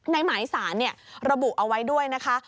หมายสารระบุเอาไว้ด้วยนะคะ